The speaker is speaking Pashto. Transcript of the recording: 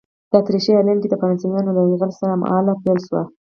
د اتریشي هالنډ کې د فرانسویانو له یرغل سره هممهاله پیل شوه.